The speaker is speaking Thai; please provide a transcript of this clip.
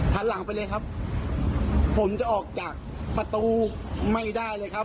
หันหลังไปเลยครับผมจะออกจากประตูไม่ได้เลยครับ